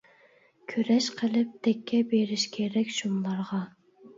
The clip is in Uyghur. كۈرەش قىلىپ دەككە بېرىش كېرەك شۇملارغا!